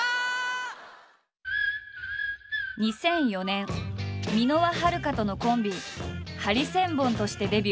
２００４年箕輪はるかとのコンビハリセンボンとしてデビュー。